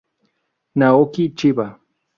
Naoki Chiba